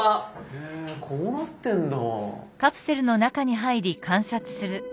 へえこうなってんだ。